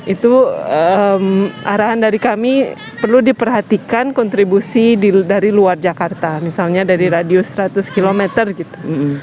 itu arahan dari kami perlu diperhatikan kontribusi dari luar jakarta misalnya dari radius seratus km gitu